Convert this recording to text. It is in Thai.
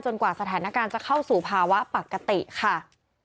กว่าสถานการณ์จะเข้าสู่ภาวะปกติค่ะ